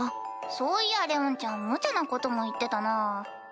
そういやレオンちゃんむちゃなことも言ってたなぁ。